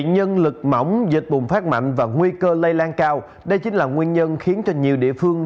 nhân lực mỏng dịch bùng phát mạnh và nguy cơ lây lan cao đây chính là nguyên nhân khiến cho nhiều địa phương